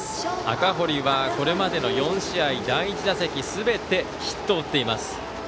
赤堀はこれまでの４試合第１打席すべてヒットを打っています。